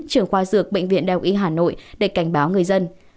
trưởng khoa dược bệnh viện đạo y hà nội để cảnh báo người dân